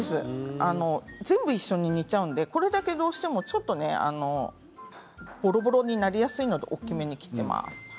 全部、一緒に煮ちゃうのでこれだけぼろぼろになりやすいので大きめに切っています。